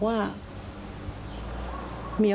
พี่สาวของผู้ตายอายุ๗๒ปี